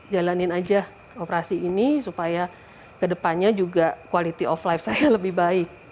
jalanin aja operasi ini supaya kedepannya juga quality of life saya lebih baik